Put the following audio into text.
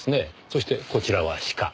そしてこちらは鹿。